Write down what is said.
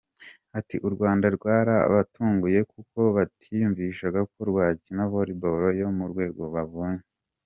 Ati” U Rwanda rwarabatunguye kuko batiyumvishaga ko rwakina Volleyball yo mu rwego babonye.